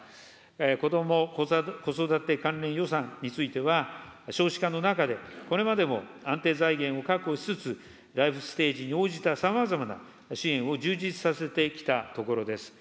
子ども・子育て関連予算については、少子化の中で、これまでも安定財源を確保しつつ、ライフステージに応じたさまざまな支援を充実させてきたところです。